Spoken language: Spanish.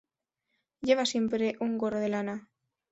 Lleva siempre un gorro de lana.